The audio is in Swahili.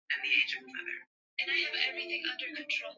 hasa Uislamu na dini za jadi Idadi yao inaongezeka haraka sana Kila baada